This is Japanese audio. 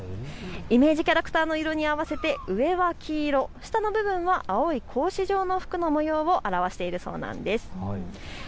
イメージキャラクターの色に合わせて上は黄色、下の部分は青い格子状の服の模様を表しているそうです。